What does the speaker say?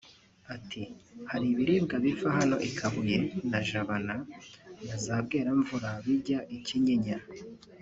Ati “Hari ibiribwa biva hano i Kabuye na Jabana na za Bweramvura bijya i Kinyinya